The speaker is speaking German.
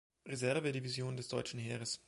Reserve-Division des deutschen Heeres.